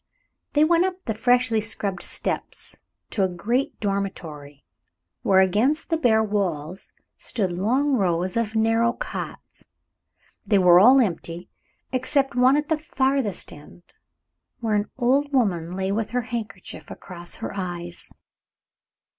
They went up the freshly scrubbed steps to a great dormitory, where, against the bare walls, stood long rows of narrow cots. They were all empty, except one at the farthest end, where an old woman lay with her handkerchief across her eyes.